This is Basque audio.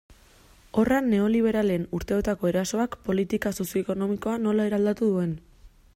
Horra neoliberalen urteotako erasoak politika sozio-ekonomikoa nola eraldatu duen.